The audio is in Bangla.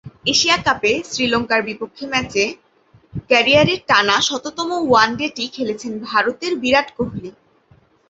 এশিয়া কাপে শ্রীলঙ্কার বিপক্ষে ম্যাচে ক্যারিয়ারের টানা শততম ওয়ানডেটি খেলেছেন ভারতের বিরাট কোহলি।